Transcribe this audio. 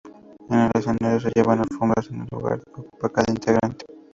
En el escenario llevan alfombras en el lugar que ocupa cada integrante.